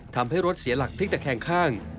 ทำให้รถเสียหลักทิ้งแต่แค่งข้าง